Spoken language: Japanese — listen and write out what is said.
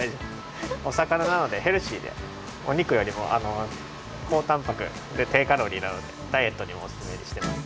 お魚なのでヘルシーでおにくよりもこうタンパクでていカロリーなのでダイエットにもおすすめしてます。